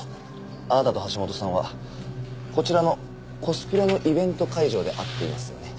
あなたと橋本さんはこちらのコスプレのイベント会場で会っていますよね？